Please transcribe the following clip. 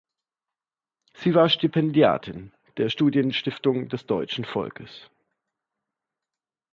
Sie war Stipendiatin der Studienstiftung des deutschen Volkes.